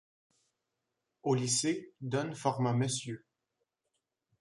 Au lycée, Dunn forma Mr.